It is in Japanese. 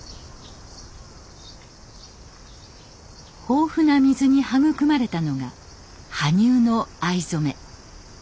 豊富な水に育まれたのが羽生の藍染め。